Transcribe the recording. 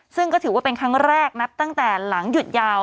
ซึ่งก็ถือว่าเป็นครั้งแรกนับตั้งแต่หลังหยุดยาว